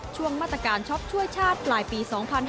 ช่วงมาตรการช็อปช่วยชาติปลายปี๒๕๕๙